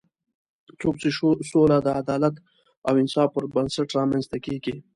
ځکه چې سوله د عدالت او انصاف پر بنسټ رامنځته کېږي.